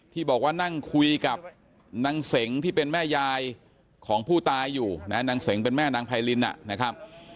ที่บอกว่านั่งคุยกับนางเสงที่เป็นแม่ยายของผู้ตายอยู่นะนางเสงเป็นแม่นางไพรินนะครับ